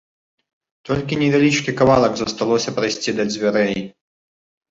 Толькі невялічкі кавалак засталося прайсці да дзвярэй.